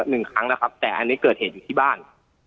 หนึ่งครั้งแล้วครับแต่อันนี้เกิดเหตุอยู่ที่บ้าน